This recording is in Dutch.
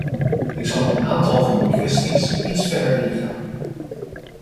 Ik zal op een aantal van die kwesties iets verder ingaan.